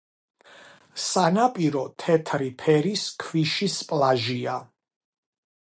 სანაპირო თეთრი ფერის ქვიშის პლაჟია.